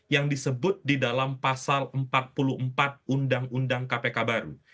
yang disebut di dalam pasal empat puluh empat undang undang kpk baru